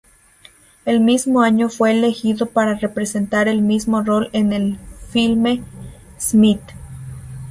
El mismo año fue elegido para representar el mismo rol en el filme "Smith!